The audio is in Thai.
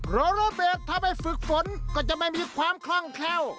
โรเบิร์ตถ้าไปฝึกฝนก็จะไม่มีความคล่องแคล่ว